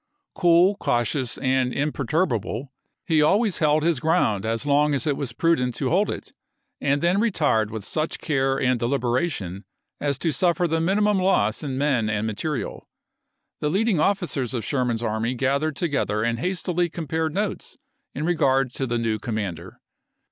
Cool, cautious, and imperturbable, he always held his ground as long as it was prudent to hold it, and then retired with such care and deliberation as to suffer the minimum loss in men and material. The leading officers of Sherman's army gathered to gether and hastily compared notes in regard to the new commander.